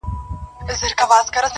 دا ټپه ورته ډالۍ كړو دواړه.